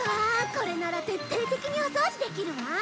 これなら徹底的にお掃除できるわ。